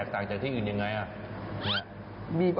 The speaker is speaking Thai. เขาบอกให้บีบ